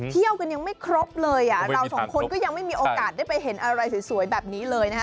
เที่ยวกันยังไม่ครบเลยอ่ะเราสองคนก็ยังไม่มีโอกาสได้ไปเห็นอะไรสวยแบบนี้เลยนะฮะ